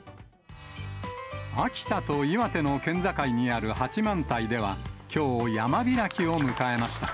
秋田と岩手の県境にある八幡平では、きょう、山開きを迎えました。